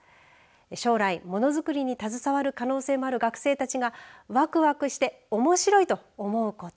将来ものづくりに携わる可能性もある学生たちがわくわくして面白いと思うこと。